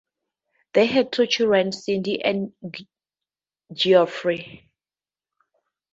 They had two children, Cindie and Geoffrey.